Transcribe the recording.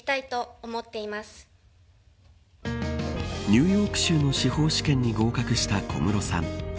ニューヨーク州の司法試験に合格した小室さん。